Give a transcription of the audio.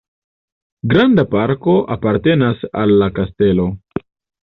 Granda parko apartenas al la kastelo.